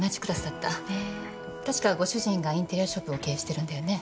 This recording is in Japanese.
確かご主人がインテリアショップを経営してるんだよね？